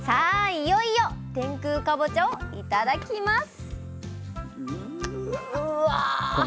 いよいよ天空かぼちゃを頂きます！